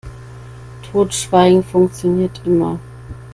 Totschweigen funktioniert immer.